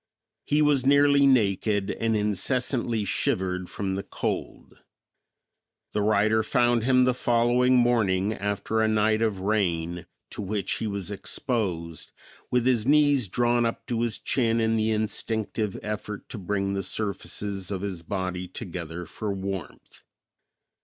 He was nearly naked and incessantly shivered from the cold. The writer found him the following morning, after a night of rain, to which he was exposed, with his knees drawn up to his chin in the instinctive effort to bring the surfaces of his body together for warmth.